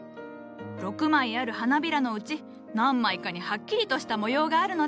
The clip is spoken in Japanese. ６枚ある花びらのうち何枚かにはっきりとした模様があるのじゃ。